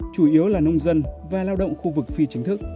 chủ yếu là nông dân và lao động khu vực phi chính thức